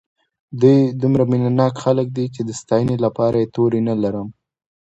دوی دومره مینه ناک خلک دي چې د ستاینې لپاره یې توري نه لرم.